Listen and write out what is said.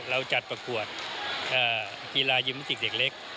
เราจัดประกวดกีฬายิมมิติกเด็กเล็ก